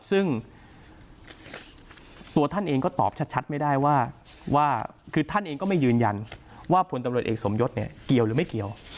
ซึ่งตัวท่านเองก็ตอบชัดไม่ได้ว่าคือท่านเองก็ไม่ยืนยันว่าผลตำรวจเอกสมยศเนี่ยเกี่ยวหรือไม่เกี่ยว